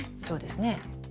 そうですね。